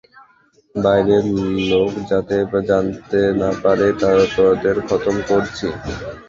বাইরের লোক যাতে জানতে না পারে তোদের খতম করছি।